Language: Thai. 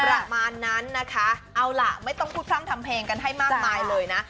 ประมาณนั้นนะคะเอาล่ะไม่ต้องพูดพร่ำทำเพลงกันให้มากมายเลยนะ